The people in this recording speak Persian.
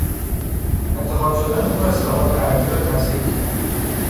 انتخاب شدن او اصلاحات ارضی را تسهیل کرد.